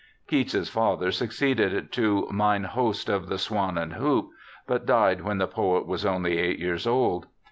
JOHN KEATS 39 Keats's father succeeded to ' Mine Host of the Swan and Hoop ', but died when the poet was only eight years old.